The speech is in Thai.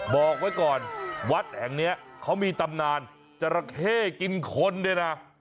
บอกไว้ก่อนวัดแห่งนี้เขามีตำนานจราเข้กินคนด้วยนะ